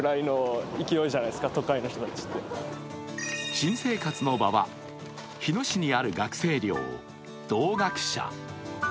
新生活の場は日野市にある学生寮、同学舎。